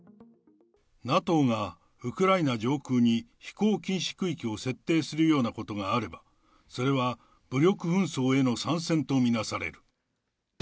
ＮＡＴＯがウクライナ上空に飛行禁止区域を設定するようなことがあれば、それは武力紛争への参戦と見なされる。